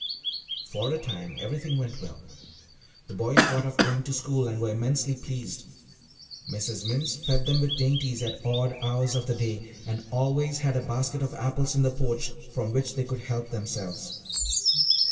For a time everything went well. The boys got off going to school and were immensely pleased. Mrs. Mimms fed them with dainties at odd hours of the day, and always had a basket of apples in the porch from which they could help themselves.